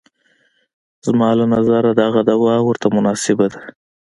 زما له نظره دغه دوا ورته مناسبه ده.